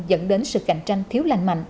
dẫn đến sự cạnh tranh thiếu lành mạnh